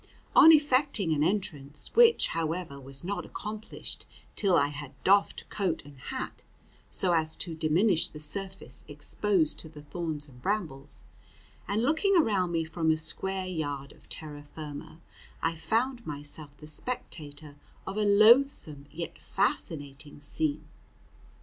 On effecting an entrance, which, however, was not accomplished till I had doffed coat and hat, so as to diminish the surface exposed to the thorns and brambles, and, looking around me from a square yard of terra firma, I found myself the spectator of a loathsome yet fascinating scene.